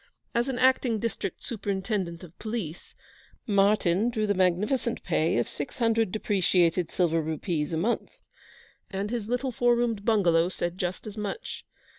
As an Acting District Superintendent of Police, Martyn drew the magnificent pay of six hundred depreciated silver rupees a month, and his little four roomed bungalow said just as much.